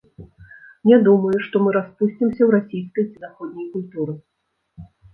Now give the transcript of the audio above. Не думаю, што мы распусцімся ў расійскай ці заходняй культуры.